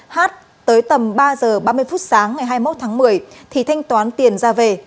hát tới tầm ba h ba mươi phút sáng ngày hai mươi một tháng một mươi thì thanh toán tiền ra về